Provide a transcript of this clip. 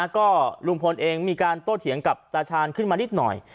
ก็ลุงพลเองมีการโต้เถียงกับตาชาญขึ้นมานิดหน่อย